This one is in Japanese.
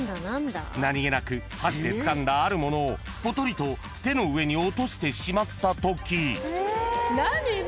［何げなく箸でつかんだあるものをぽとりと手の上に落としてしまったとき］